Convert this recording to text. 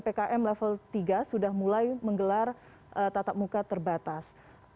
ppkm level tiga sudah mulai menggelar tatap muka terbatas